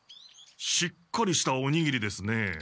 しっかりしたおにぎりですね。